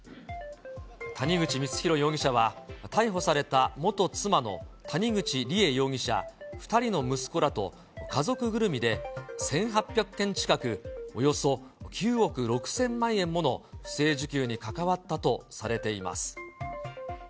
谷口光弘容疑者は、逮捕された元妻の谷口梨恵容疑者、２人の息子らと、家族ぐるみで１８００件近く、およそ９億６０００万円もの不正受給に関わったとされています。